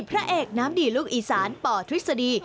พระเอกน้ำดีลูกอีสานปทฤษฎี